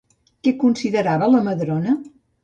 Què considerava la Madrona?